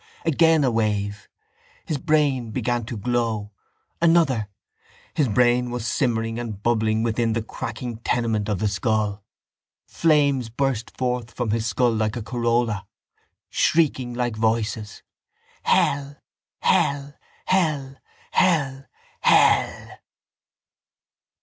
Again a wave. His brain began to glow. Another. His brain was simmering and bubbling within the cracking tenement of the skull. Flames burst forth from his skull like a corolla, shrieking like voices: —Hell! Hell! Hell! Hell! Hell!